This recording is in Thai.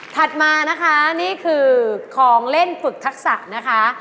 ถัดมานะคะนี่คือของเล่นฝึกทักษะนะคะ